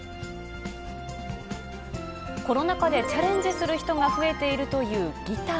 コロナ禍でチャレンジする人が増えているというギター。